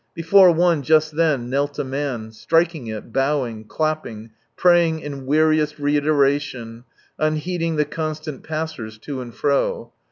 Before one, just then, knelt a man, striking it, bowing, clapping, praying in weariest reiteration, un heeding the constant passers to and fro.